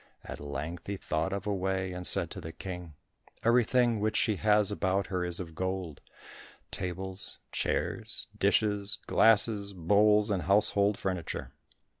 At length he thought of a way, and said to the King, "Everything which she has about her is of gold—tables, chairs, dishes, glasses, bowls, and household furniture.